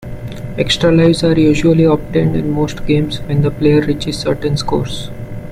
Extra lives are usually obtained in most games when the player reaches certain scores.